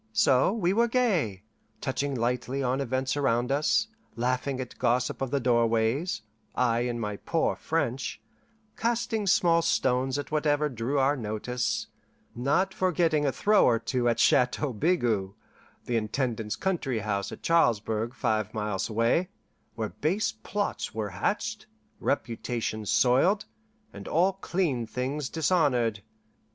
So we were gay, touching lightly on events around us, laughing at gossip of the doorways (I in my poor French), casting small stones at whatever drew our notice, not forgetting a throw or two at Chateau Bigot, the Intendant's country house at Charlesbourg, five miles away, where base plots were hatched, reputations soiled, and all clean things dishonoured.